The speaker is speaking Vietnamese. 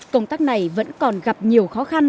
công tác này vẫn còn gặp nhiều khó khăn